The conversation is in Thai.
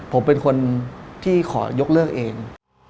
ผมเป็นคนที่ขอยกเลิกเอง